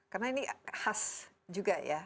karena ini khas juga ya